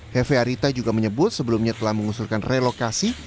hefearita juga menyebut sebelumnya telah mengusulkan relokasi